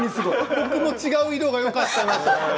僕も違う色がよかった。